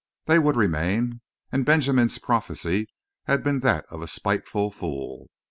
They would remain; and Benjamin's prophecy had been that of a spiteful fool.